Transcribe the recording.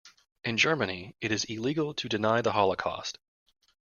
In Germany it is illegal to deny the holocaust.